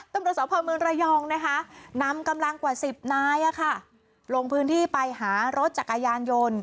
ตำรวจสพเมืองระยองนะคะนำกำลังกว่า๑๐นายลงพื้นที่ไปหารถจักรยานยนต์